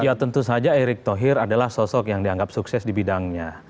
ya tentu saja erick thohir adalah sosok yang dianggap sukses di bidangnya